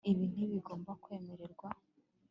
Ibi ntibigomba kwemererwa